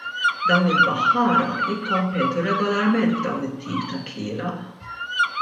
Dawn il-baħħara jikkompetu regolarment f'dawn it-tip ta' tlielaq.